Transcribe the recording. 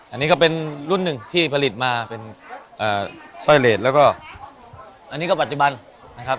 อันนี้ก็เป็นรุ่นหนึ่งที่ผลิตมาเป็นสร้อยเลสแล้วก็อันนี้ก็ปัจจุบันนะครับ